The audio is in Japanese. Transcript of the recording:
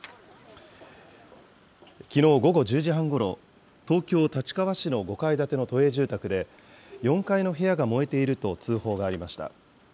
きのう午後１０時半ごろ、東京・立川市の５階建ての都営住宅で４階の部屋が燃えていると通報がありました。